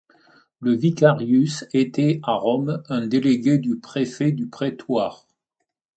Le vicarius était à Rome un délégué du préfet du prétoire.